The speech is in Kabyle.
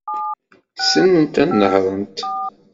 Ssnent ad nehṛent.